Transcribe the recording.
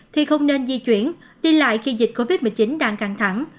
thì không nên di chuyển đi lại khi dịch covid một mươi chín đang căng thẳng